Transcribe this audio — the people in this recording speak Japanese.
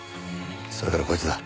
それからこいつだ。